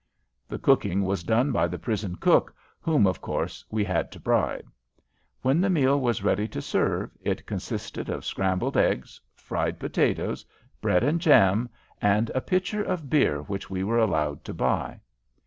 The cooking was done by the prison cook, whom, of course, we had to bribe. When the meal was ready to serve it consisted of scrambled eggs, fried potatoes, bread and jam, and a pitcher of beer which we were allowed to buy.